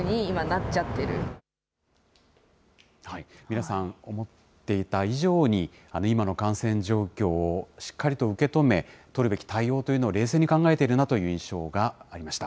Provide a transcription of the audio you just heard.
皆さん、思っていた以上に、今の感染状況をしっかりと受け止め、取るべき対応というのを冷静に考えているなという印象がありました。